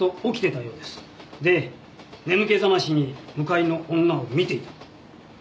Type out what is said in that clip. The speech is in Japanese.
で眠気覚ましに向かいの女を見ていたと。